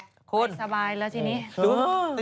ไอ้สบายแล้วที่นี้